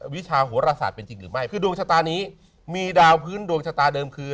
วิชาโหรศาสตร์เป็นจริงหรือไม่คือดวงชะตานี้มีดาวพื้นดวงชะตาเดิมคือ